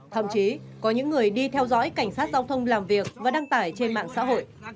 thậm chí có những người đi theo dõi cảnh sát giao thông làm việc và đăng tải trên mạng xã hội